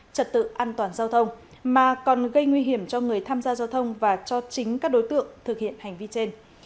trật tự an toàn giao thông mà còn gây nguy hiểm cho người tham gia giao thông và cho chính các đối tượng thực hiện hành vi trên